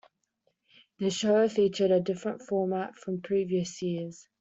The show featured a different format from previous years.